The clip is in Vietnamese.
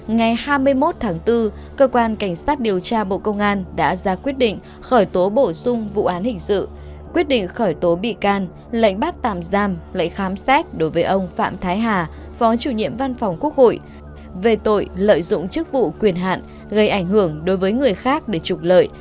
ngày hai mươi một tháng bốn cơ quan cảnh sát điều tra bộ công an đã ra quyết định khởi tố bổ sung vụ án hình sự quyết định khởi tố bị can lệnh bắt tạm giam lệnh khám xét đối với ông phạm thái hà phó chủ nhiệm văn phòng quốc hội về tội lợi dụng chức vụ quyền hạn gây ảnh hưởng đối với người khác để trục lợi